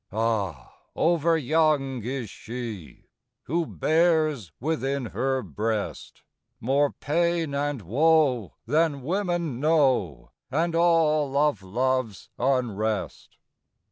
Ah! over young is she Who bears within her breast More pain and woe than women know, And all of love's unrest.